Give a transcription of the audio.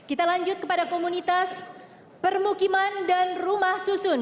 kita lanjut kepada komunitas permukiman dan rumah susun